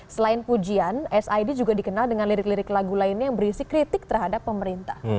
selain pujian sid juga dikenal dengan lirik lirik lagu lainnya yang berisi kritik terhadap pemerintah